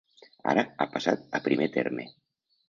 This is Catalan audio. Ara ha passat a primer terme.